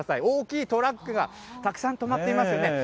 大きいトラックがたくさん止まっていますよね。